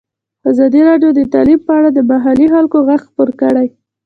ازادي راډیو د تعلیم په اړه د محلي خلکو غږ خپور کړی.